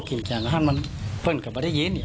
ที่กินแต่ถ้ามันเผินแต่มันได้ยิน